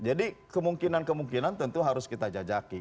jadi kemungkinan kemungkinan tentu harus kita jajaki